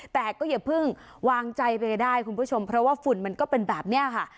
แต่ก็อย่าเพิ่งวางใจไปได้คุณผู้ชมเพราะว่าฝุ่นมันก็เป็นแบบนี้ค่ะ